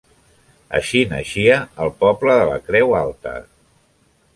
Així naixia el poble de la Creu Alta.